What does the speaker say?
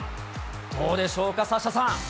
どうでしょうか、サッシャさん。